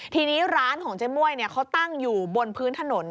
ทีนี้ร้านของเจ๊ม่วยเขาตั้งอยู่บนพื้นถนน